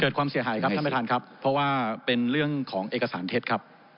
ความเสียหายครับท่านประธานครับเพราะว่าเป็นเรื่องของเอกสารเท็จครับ